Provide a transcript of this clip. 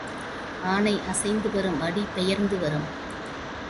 ஆனை அசைந்து வரும் அடி பெயர்ந்து வரும்.